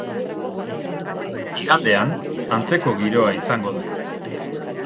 Igandean, antzeko giroa izango da.